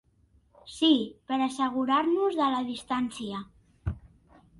Sí, per assegurar-nos de la distància.